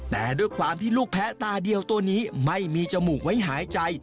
แต่ด้วยความที่ลูกแพ้ตาเดียวตัวนี้ไม่มีจมูกไว้หายใจ